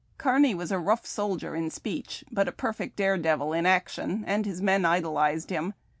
Kearny was a rough soldier in speech, but a perfect dare devil in action, and his men idolized him.